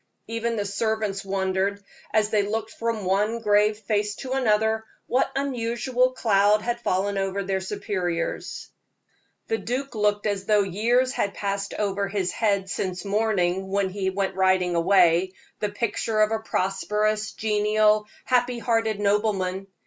Even the servants wondered, as they looked from one grave face to another, what unusual cloud had fallen over their superiors. The duke looked as though years had passed over his head since morning, when he went riding away, the picture of a prosperous, genial, happy hearted nobleman.